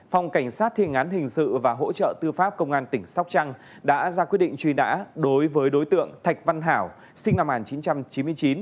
phòng cảnh sát thiên án hình sự và hỗ trợ tư pháp công an tỉnh sóc trăng đã ra quyết định truy nã đối với đối tượng thạch văn hảo sinh năm một nghìn chín trăm chín mươi chín